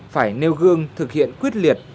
phải nêu gương thực hiện quyết liệt